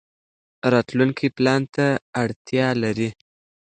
راتلونکی پلان ته اړتیا لري.